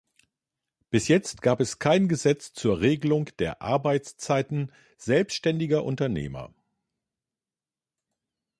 Bis jetzt gab es kein Gesetz zur Regelung der Arbeitszeiten selbstständiger Unternehmer.